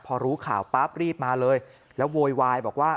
พอรู้ข่าวปั๊บรีบมาเลยแล้วโวยวายบอกว่า